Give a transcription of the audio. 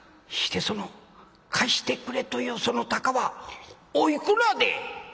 してその貸してくれというその高はおいくらで？」。